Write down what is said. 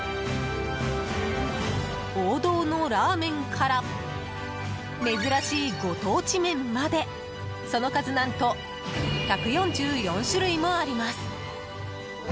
王道のラーメンから珍しいご当地麺までその数何と１４４種類もあります。